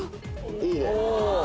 いいね！